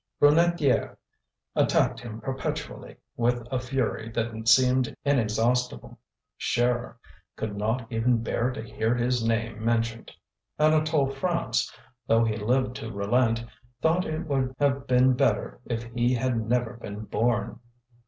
Brunetière attacked him perpetually with a fury that seemed inexhaustible; Schérer could not even bear to hear his name mentioned; Anatole France, though he lived to relent, thought it would have been better if he had never been born.